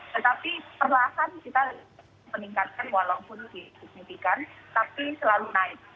tetapi perlahan kita meningkatkan walaupun signifikan tapi selalu naik